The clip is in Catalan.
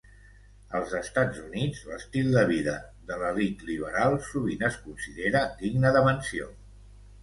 Als Estats Units, l'estil de vida de l'elit liberal sovint es considera digne de menció.